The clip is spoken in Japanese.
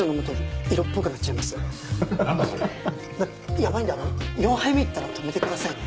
ヤバいんで４杯目行ったら止めてくださいね。